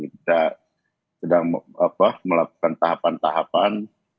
kita sedang melakukan tahapan tahapan